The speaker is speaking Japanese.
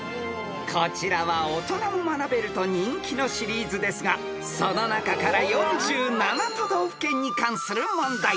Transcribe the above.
［こちらは大人も学べると人気のシリーズですがその中から４７都道府県に関する問題］